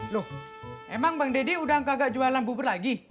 loh emang bang deddy udah kagak jualan bubur lagi